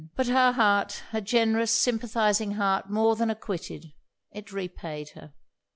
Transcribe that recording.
But her heart, her generous sympathizing heart, more than acquitted it repaid her.